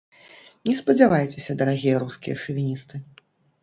Не спадзявайцеся, дарагія рускія шавіністы.